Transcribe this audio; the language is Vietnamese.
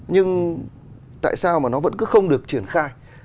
nhưng tại sao mà nó vẫn cứ không được triển khai